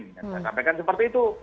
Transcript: kita sampaikan seperti itu